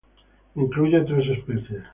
Incluye tres especiesː